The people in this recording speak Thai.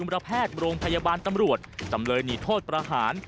โรงพยาบาลตำรวจจำเลยหนีโทษประหาร